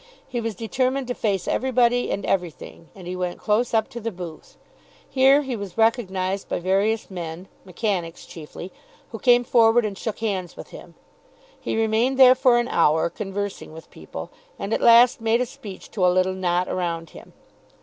He was determined to face everybody and everything, and he went close up to the booth. Here he was recognised by various men, mechanics chiefly, who came forward and shook hands with him. He remained there for an hour conversing with people, and at last made a speech to a little knot around him.